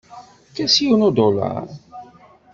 Efk-as yiwen udulaṛ.